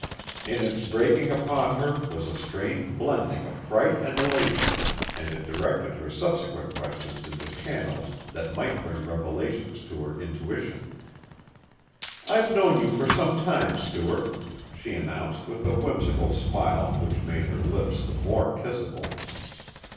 In its breaking upon her was a strange blending of fright and elation and it directed her subsequent questions into channels that might bring revelations to her intuition. "I've known you for some time, Stuart," she announced with a whimsical smile which made her lips the more kissable.